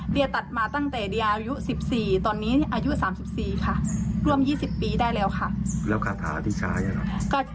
เดียตัดมาตั้งแต่เดียอายุ๑๔ตอนนี้อายุ๓๔ค่ะร่วม๒๐ปีได้แล้วค่ะแล้วคาถาที่ใช้อ่ะเนอะ